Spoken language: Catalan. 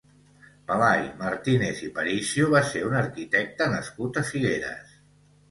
Pelai Martínez i Paricio va ser un arquitecte nascut a Figueres.